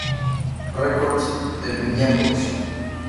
Records, de Minneapolis.